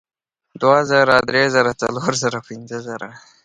دوه زره درې زره څلور زره پینځه زره